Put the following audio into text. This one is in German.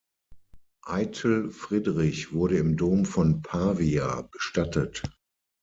Eitel Friedrich wurde im Dom von Pavia bestattet.